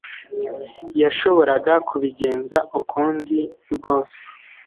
yashoboraga kubigenza ukundi rwose.